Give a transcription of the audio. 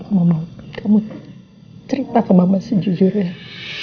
kamu mau kamu cerita ke mama sejujurnya